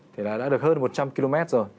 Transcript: thì đã được hơn một trăm linh km